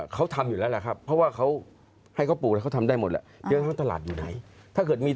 เขาทำอยู่แล้วแหละครับเพราะให้เขาปลูกเข้าทำได้หมดแล้ว